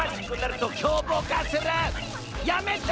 やめて！